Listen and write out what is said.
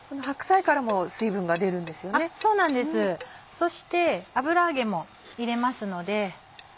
そして油揚げも入れますので。